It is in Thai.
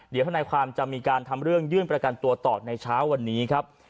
เดี๋ยวทนายความจะมีการทำเรื่องยื่นประกันตัวต่อในเช้าวันนี้ครับ